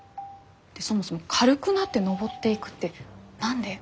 でそもそも軽くなってのぼっていくって何で？